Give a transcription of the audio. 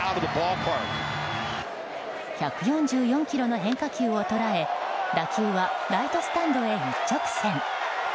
１４４キロの変化球を捉え打球はライトスタンドへ一直線。